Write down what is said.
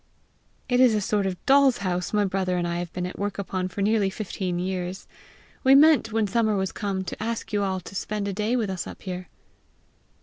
"It is a sort of doll's house my brother and I have been at work upon for nearly fifteen years. We meant, when summer was come, to ask you all to spend a day with us up here."